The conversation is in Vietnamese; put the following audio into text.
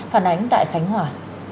phản ánh tại khánh hòa